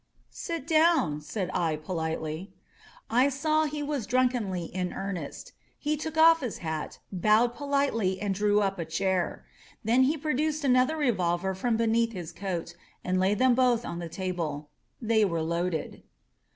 "Sit down/' said I politely. I saw he was drunkenly in earnest. He took off his hat, bowed politely and drew up a chair. Then he produced another revolver from beneath his coat and laid them both on the ta ble. They were loaded.